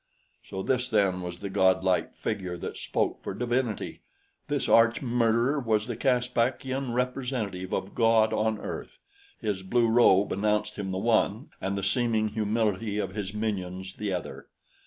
So this then was the godlike figure that spoke for divinity! This arch murderer was the Caspakian representative of God on Earth! His blue robe announced him the one and the seeming humility of his minions the other.